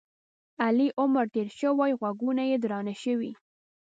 علي عمر تېر شوی؛ غوږونه یې درانه شوي.